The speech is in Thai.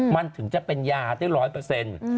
มันถึงจะเป็นยาได้ร้อยเปอร์เซ็นต์